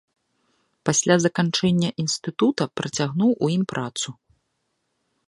Пасля заканчэння інстытута, працягнуў у ім працу.